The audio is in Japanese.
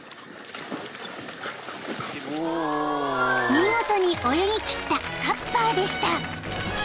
［見事に泳ぎ切ったカッパーでした］